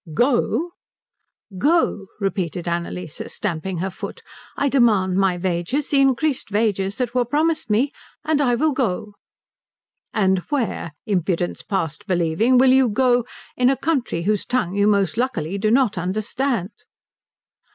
"Go," repeated Annalise, stamping her foot. "I demand my wages, the increased wages that were promised me, and I will go." "And where, Impudence past believing, will you go, in a country whose tongue you most luckily do not understand?"